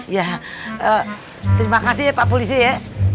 iya terima kasih pak polisi ya